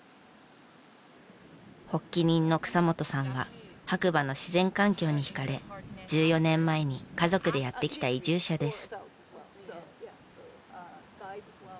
発起人の草本さんは白馬の自然環境にひかれ１４年前に家族でやって来た移住者です。